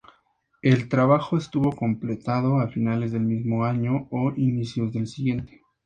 El trabajo estuvo completado a finales del mismo año o inicios del siguiente.